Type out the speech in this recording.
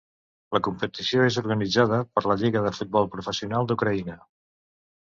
La competició és organitzada per la Lliga de Futbol Professional d'Ucraïna.